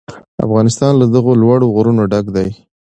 افغانستان له دغو لوړو غرونو ډک دی.